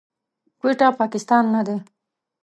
کويټه، پاکستان نه دی.